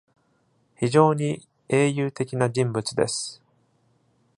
非常に英雄的な人物です。